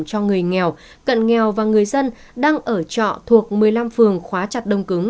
cho người nghèo cận nghèo và người dân đang ở trọ thuộc một mươi năm phường khóa chặt đông cứng